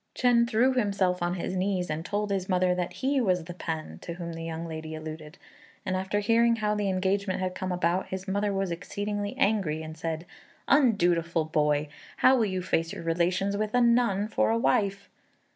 Chên threw himself on his knees, and told his mother that he was the P'an to whom the young lady alluded; and after hearing how the engagement had come about, his mother was exceedingly angry, and said, "Undutiful boy! how will you face your relations with a nun for a wife?"